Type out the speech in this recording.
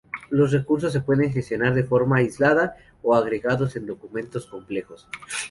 Los recursos se pueden gestionar de forma aislada, o agregados en documentos complejos.